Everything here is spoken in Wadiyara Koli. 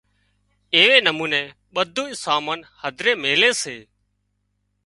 ايوي نموني ٻڌونئين سامان هڌري ميلي سي